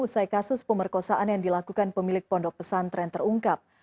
usai kasus pemerkosaan yang dilakukan pemilik pondok pesantren terungkap